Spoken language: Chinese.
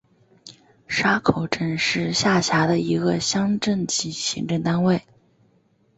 沙口镇是下辖的一个乡镇级行政单位。